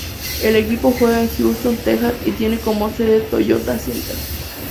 El equipo juega en Houston, Texas y tiene como sede el Toyota Center.